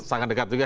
sangat dekat juga